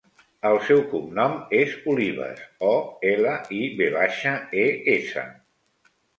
El seu cognom és Olives: o, ela, i, ve baixa, e, essa.